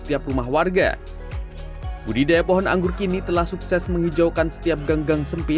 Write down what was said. ketika dianggur warga menanam tanaman anggur untuk menghiasi kampung mereka sekaligus memanfaatkannya untuk dikonsumsi